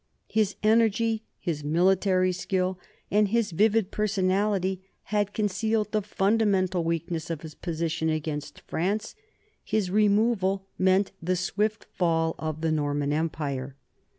His energy, his military skill, and his vivid per sonality had concealed the fundamental weakness of his position against France; his removal meant the swift fall of the Norman empire.